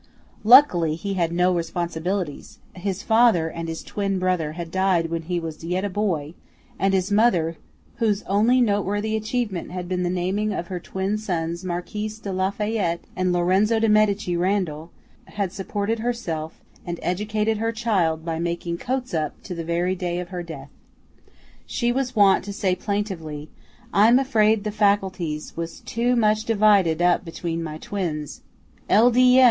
Luckily he had no responsibilities; his father and his twin brother had died when he was yet a boy, and his mother, whose only noteworthy achievement had been the naming of her twin sons Marquis de Lafayette and Lorenzo de Medici Randall, had supported herself and educated her child by making coats up to the very day of her death. She was wont to say plaintively, "I'm afraid the faculties was too much divided up between my twins. L. D. M.